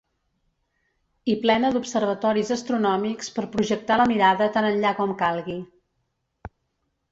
I plena d'observatoris astronòmics per projectar la mirada tan enllà com calgui.